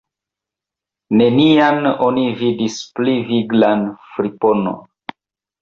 Nenian oni vidis pli viglan friponon.